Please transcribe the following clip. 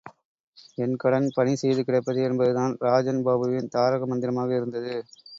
என் கடன் பணி செய்து கிடப்பதே என்பது தான் ராஜன் பாபுவின் தாரக மந்திரமாக இருந்தது.